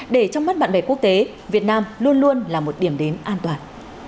để trong mắt bạn bè quốc tế việt nam luôn luôn là một điểm đến an toàn